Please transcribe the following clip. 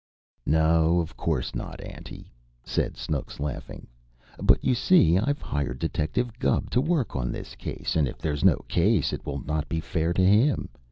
"No, of course not, auntie," said Snooks, laughing. "But you see, I've hired Detective Gubb to work on this case, and if there's no case, it will not be fair to him.